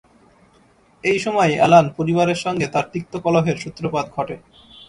এই সময়েই অ্যালান পরিবারের সঙ্গে তার তিক্ত কলহের সূত্রপাত ঘটে।